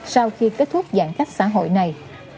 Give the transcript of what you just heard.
sau khi kết thúc giãn cách xã hội này